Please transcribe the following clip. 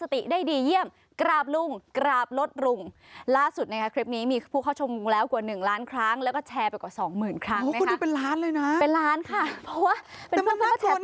เป็นล้านค่ะเพราะว่าเป็นเพื่อนมาแชร์ต่อ